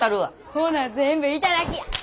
ほな全部頂きや！